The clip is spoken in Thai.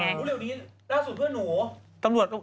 ราสุทธิ์เพือนหนู